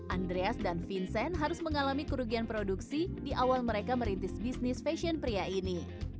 andreas dan vincent harus mengalami kerugian produksi di awal mereka merintis bisnis fashion pria ini